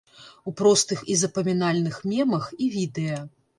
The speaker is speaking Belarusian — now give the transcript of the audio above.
У простых і запамінальных мемах і відэа.